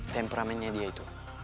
temperamennya dia itu